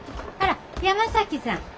あら山崎さん。